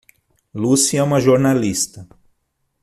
Lucy é uma jornalista.